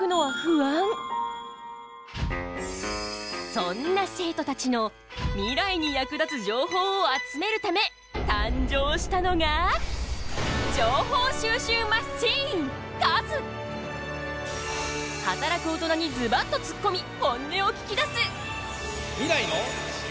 そんな生徒たちのミライに役立つ情報を集めるため誕生したのが働く大人にズバッとつっこみ本音を聞きだす！